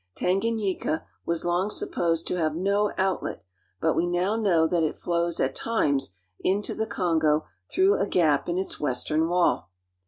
Tanganyika was long supposed to have no outlet ; but we now know that it flows at times into the Kongo through a gap in its western wall.